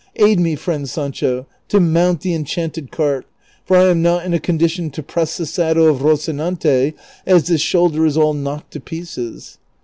Aid me, friend Sancho, to mount the enchanted cart, for T am not in a condition to press the saddle of Eoci nante, as this shoulder is all knocked to pieces."